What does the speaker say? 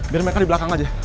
biar mereka di belakang aja